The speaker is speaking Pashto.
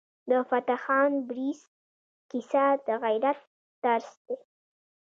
د فتح خان بړیڅ کیسه د غیرت درس دی.